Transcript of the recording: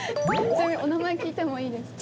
ちなみにお名前聞いてもいいですか？